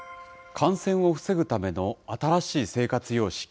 感染を防ぐための新しい生活様式。